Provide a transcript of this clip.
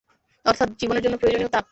অর্থাৎ, জীবনের জন্য প্রয়োজনীয় তাপ।